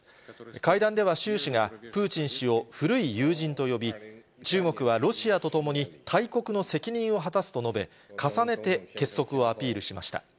会談では習氏が、プーチン氏を古い友人と呼び、中国はロシアと共に大国の責任を果たすと述べ、重ねて結束をアピールしました。